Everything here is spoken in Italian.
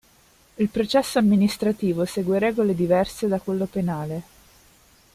Il processo amministrativo segue regole diverse da quello penale.